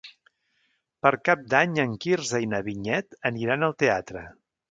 Per Cap d'Any en Quirze i na Vinyet aniran al teatre.